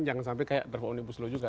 jangan sampai kayak draft unibus lo juga